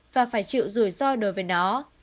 và phải chịu rủi ro đối với nó